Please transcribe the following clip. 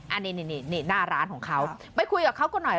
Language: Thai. อันนี้นี่หน้าร้านของเขาไปคุยกับเขาก็หน่อย